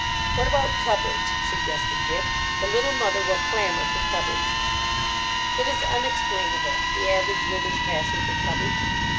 "What about cupboards?" suggested Dick. "The Little Mother will clamour for cupboards." It is unexplainable, the average woman's passion for cupboards.